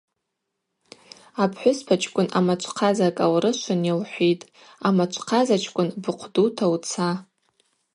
Апхӏвыспачкӏвын амачвхъаза кӏалрышвын йылхӏвитӏ: Амачвхъазачкӏвын, быхъв дута уца.